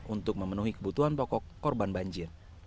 untuk memenuhi kebutuhan pokok korban banjir